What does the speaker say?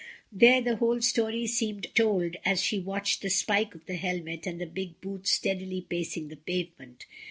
There the whole story seemed told as she watched the spike of the helmet and the big boots steadily pacing the pavement.